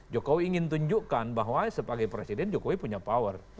jokowi ingin tunjukkan bahwa sebagai presiden jokowi punya power